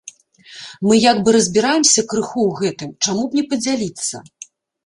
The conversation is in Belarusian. Мы як бы разбіраемся крыху ў гэтым, чаму б не падзяліцца.